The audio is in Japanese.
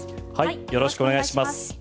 よろしくお願いします。